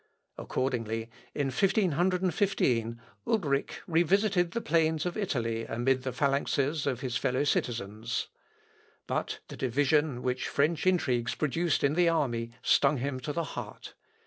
Accordingly, in 1515, Ulric revisited the plains of Italy amid the phalanxes of his fellow citizens. But the division which French intrigues produced in the army stung him to the heart.